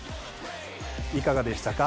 いかがでしたか？